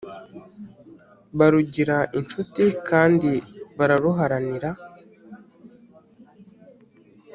barugira incuti kandi bararuharanira,